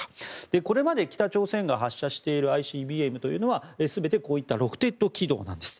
これまで北朝鮮が発射しているＩＣＢＭというのは全てこういったロフテッド軌道なんです。